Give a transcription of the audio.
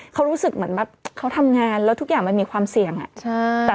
เขารู้สึกเหมือนแบบเขาทำงานแล้วทุกอย่างมันมีความเสี่ยง